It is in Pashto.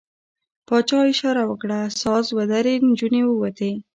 پاچا اشاره وکړه، ساز ودرېد، نجونې ووتې.